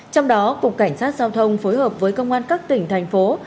trong đó cục cảnh sát giao thông phối hợp với công an các tỉnh thành phố